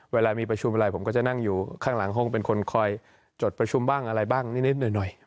เวลามีประชุมอะไรผมก็จะนั่งอยู่ข้างหลังห้องเป็นคนคอยจดประชุมบ้างอะไรบ้างนิดหน่อย